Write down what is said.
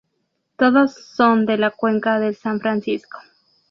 Todos son de la cuenca del San Francisco.